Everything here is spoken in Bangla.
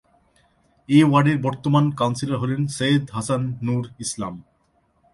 এ ওয়ার্ডের বর্তমান কাউন্সিলর হলেন সৈয়দ হাসান নুর ইসলাম।